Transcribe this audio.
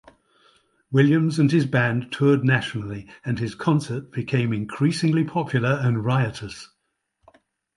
Williams and his band toured nationally, and his concerts became increasingly popular and riotous.